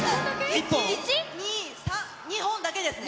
１、２、３、２本だけですね。